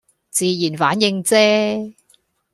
自然反應啫